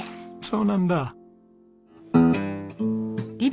そうなんだ。